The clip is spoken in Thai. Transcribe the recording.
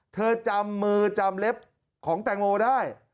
จำมือจำเล็บของแตงโมได้